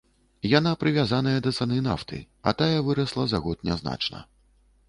Яна прывязаная да цаны нафты, а тая вырасла за год нязначна.